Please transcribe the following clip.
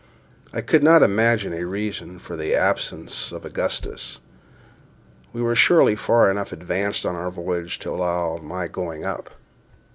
I could not imagine a reason for the absence of Augustus. We were surely far enough advanced on our voyage to allow of my going up.